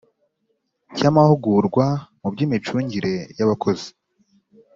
cy amahugurwa mu by imicungire y Abakozi